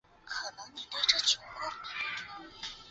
宏琳厝居住着黄姓家族。